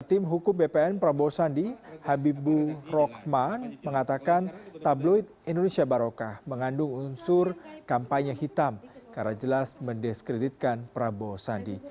tim hukum bpn prabowo sandi habibu rohman mengatakan tabloid indonesia barokah mengandung unsur kampanye hitam karena jelas mendiskreditkan prabowo sandi